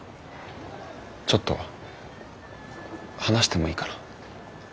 ちょっと話してもいいかな？